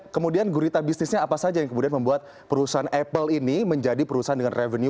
kemudian gurita bisnisnya apa saja yang kemudian membuat perusahaan apple ini menjadi perusahaan dengan revenue